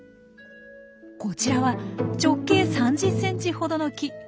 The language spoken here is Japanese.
こちらは直径３０ｃｍほどの木。